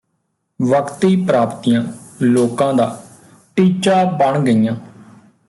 ਵਕਤੀ ਪ੍ਰਾਪਤੀਆਂ ਲੋਕਾਂ ਦਾ ਟੀਚਾ ਬਣ ਗਈਆਂ